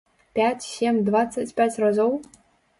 Пяць, сем, дваццаць пяць разоў?